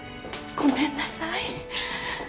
ごめんなさいね。